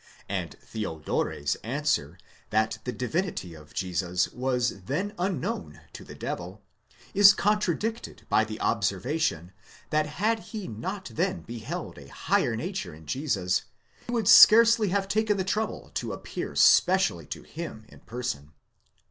And Theodore's answer that the divinity of Jesus was then unknown to the devil, is contradicted by the observation, that had he not then beheld a higher nature in Jesus, he would scarcely have taken the trouble to appear specially to him in person.